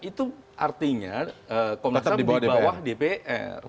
itu artinya komnas ham dibawah dpr